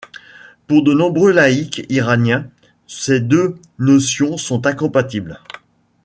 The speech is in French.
Pour de nombreux laïques iraniens, ces deux notions sont incompatibles.